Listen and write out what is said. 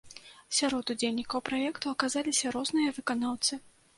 Сярод удзельнікаў праекту аказаліся розныя выканаўцы.